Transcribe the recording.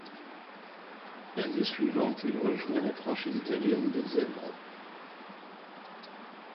L'année suivante, il rejoint la franchise italienne des Zèbres.